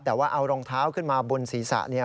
แต่ว่าเอารองเท้าขึ้นมาบนศีรษะเนี่ย